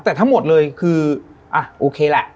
แต่ทั้งหมดเลยคืออภิเฉยแหละ